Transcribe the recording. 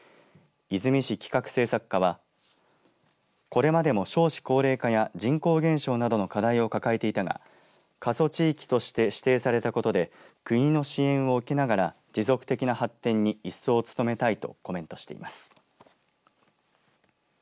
出水市企画政策課はこれまでも少子高齢化や人口減少などの課題を抱えていたが過疎地域として指定されたことで国の支援をおきながら持続的な発展にいっそう努めたいとコメントしています。